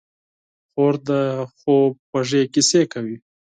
خور د خوب خوږې کیسې کوي.